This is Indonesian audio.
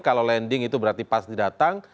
kalau landing itu berarti pas didatang